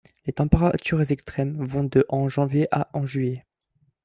Les températures extrêmes vont de en janvier à en juillet.